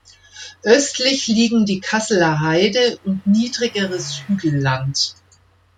Östlich liegen die Casseler Heide und niedrigeres Hügelland.